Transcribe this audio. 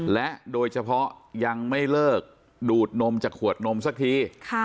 และโดยเฉพาะยังไม่เลิกดูดนมจากขวดนมสักที